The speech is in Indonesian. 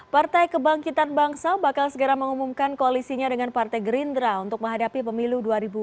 partai kebangkitan bangsa bakal segera mengumumkan koalisinya dengan partai gerindra untuk menghadapi pemilu dua ribu dua puluh